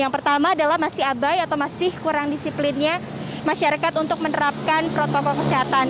yang pertama adalah masih abai atau masih kurang disiplinnya masyarakat untuk menerapkan protokol kesehatan